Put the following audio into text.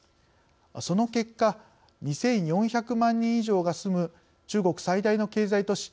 その結果２，４００万人以上が住む中国最大の経済都市